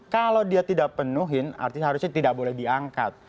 kalau dia tidak penuhin artinya harusnya tidak boleh diangkat